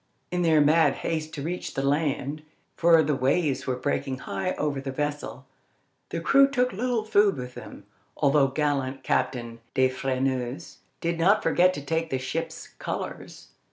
In their mad haste to reach the land—for the waves were breaking high over the vessel—the crew took little food with them, although gallant Captain de Freneuse did not forget to take the ship's colours.